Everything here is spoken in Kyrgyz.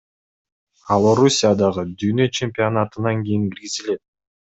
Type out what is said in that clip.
Ал Орусиядагы дүйнө чемпионатынан кийин киргизилет.